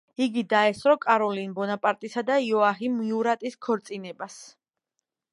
იგი დაესწრო კაროლინ ბონაპარტისა და იოაჰიმ მიურატის ქორწინებას.